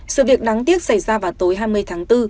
sự việc đáng tiếc xảy ra vào tối hai mươi tháng bốn